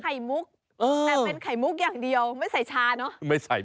แต่เป็นไข่มุกอย่างเดียวไม่ใส่ชาเนอะ